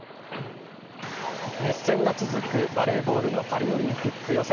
熱戦が続くバレーボールのパリオリンピック予選。